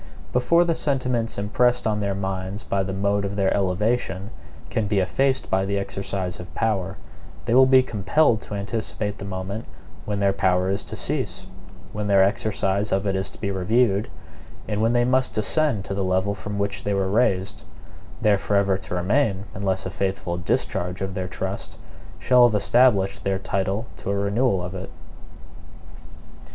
Before the sentiments impressed on their minds by the mode of their elevation can be effaced by the exercise of power, they will be compelled to anticipate the moment when their power is to cease, when their exercise of it is to be reviewed, and when they must descend to the level from which they were raised; there forever to remain unless a faithful discharge of their trust shall have established their title to a renewal of it.